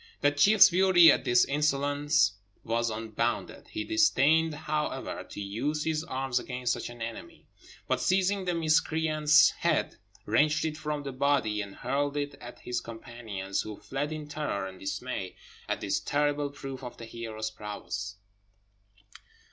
That chief's fury at this insolence was unbounded; he disdained, however, to use his arms against such an enemy, but, seizing the miscreant's head, wrenched it from the body, and hurled it at his companions, who fled in terror and dismay at this terrible proof of the hero's prowess.